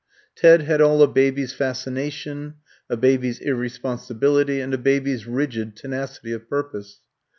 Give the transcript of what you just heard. Ted had all a baby's fascination, a baby's irresponsibility, and a baby's rigid tenacity of purpose.